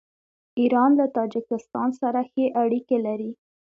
ایران له تاجکستان سره ښې اړیکې لري.